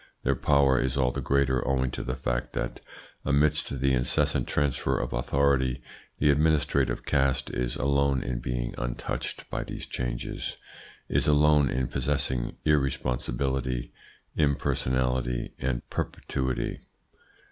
Their power is all the greater owing to the fact that, amidst the incessant transfer of authority, the administrative caste is alone in being untouched by these changes, is alone in possessing irresponsibility, impersonality, and perpetuity.